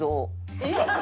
えっ！？